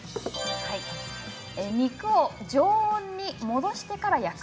肉を常温に戻してから焼く。